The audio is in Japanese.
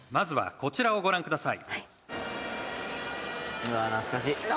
こちらをご覧ください。